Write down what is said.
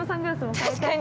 ◆確かに。